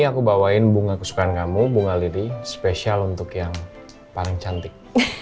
aku mau ngajakin bunga kesukaan kamu bunga lili spesial untuk yang paling cantik